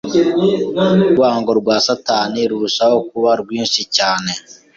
Iki ni cyo cyavumbuye urwango rwa Satani rurushaho kuba rwinshi cyane.